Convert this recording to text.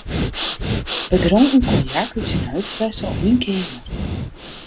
We dronken konjak út syn heupflesse op myn keamer.